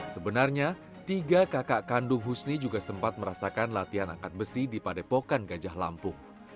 sebenarnya tiga kakak kandung husni juga sempat merasakan latihan angkat besi di padepokan gajah lampung